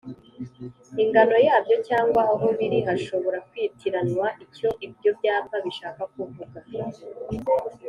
ingano yabyo cyangwa aho biri hashobora kwitiranywa icyo ibyo byapa bishaka kuvuga